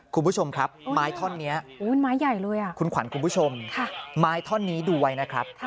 คุณผู้ชมครับไม้ท่อนนี้ไม้ใหญ่เลยคุณขวัญคุณผู้ชมไม้ท่อนนี้ดูไว้นะครับ